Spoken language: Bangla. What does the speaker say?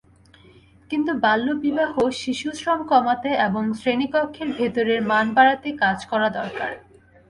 কিন্তু বাল্যবিবাহ, শিশুশ্রম কমাতে এবং শ্রেণীকক্ষের ভেতরের মান বাড়াতে কাজ করা দরকার।